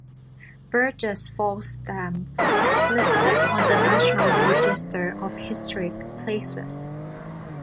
Burgess Falls Dam is listed on the National Register of Historic Places.